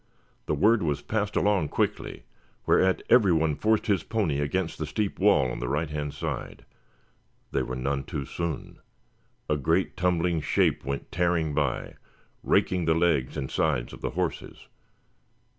The word was passed along quickly, whereat every one forced his pony against the steep wall on the right hand side. They were none too soon. A great tumbling shape went tearing by, raking the legs and sides of the horses.